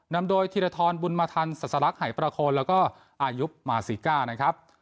นำโดยทีรทรบุญมาทันสรรคไหประโคนแล้วก็อายุมาสีก้า